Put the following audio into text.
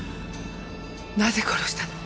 なぜ殺したの？